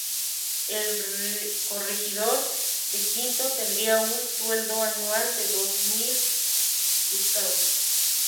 El Corregidor de Quito tendría un sueldo anual de dos mil ducados.